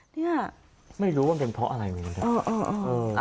เนี่ยไม่รู้ว่าเป็นเพราะอะไรเลยค่ะเออเออเออ